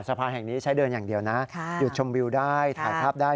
สะพานแห่งนี้ใช้เดินอย่างเดียวนะหยุดชมวิวได้ถ่ายภาพได้